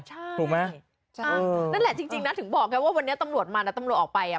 ใช่ถูกไหมใช่นั่นแหละจริงนะถึงบอกไงว่าวันนี้ตำรวจมานะตำรวจออกไปอ่ะ